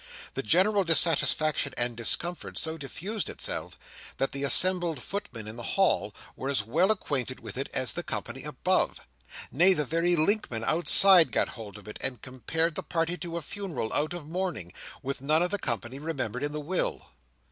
The general dissatisfaction and discomfort so diffused itself, that the assembled footmen in the hall were as well acquainted with it as the company above. Nay, the very linkmen outside got hold of it, and compared the party to a funeral out of mourning, with none of the company remembered in the will.